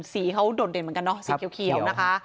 สีเขาโดดเด่นเหมือนกันเนอะสีเขียวนะคะ